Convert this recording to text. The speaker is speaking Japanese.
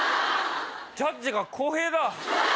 ジャッジが公平だ。